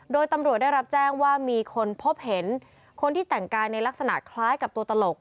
โดยตำรวจได้รับแจ้งว่ามีคนพบเห็นคนที่แต่งกายในลักษณะคล้ายกับตัวตลก